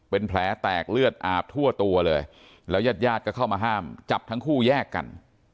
เป็นแผลแตกเลือดอาบทั่วตัวเลยแล้วยาดก็เข้ามาห้ามจับทั้งคู่แยกกัน